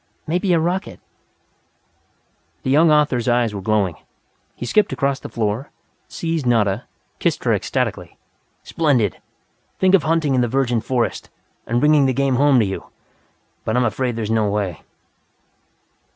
Maybe a rocket "The young author's eyes were glowing. He skipped across the floor, seized Nada, kissed her ecstatically. "Splendid! Think of hunting in the virgin forest, and bringing the game home to you! But I'm afraid there is no way.